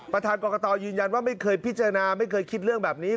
ประธานกรกตยืนยันว่าไม่เคยพิจารณาไม่เคยคิดเรื่องแบบนี้